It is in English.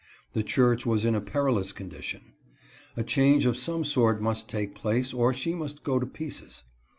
The church was in a perilous condition. A change of some sort must take place, or she must go to pieces.